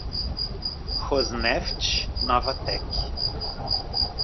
Rosneft, Novatek